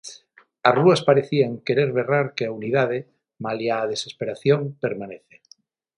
As rúas parecían querer berrar que a unidade, malia á desesperación, permanece.